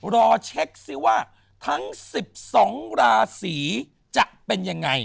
รอเช็คซิว่าทั้ง๑๒ราศีจะเป็นยังไง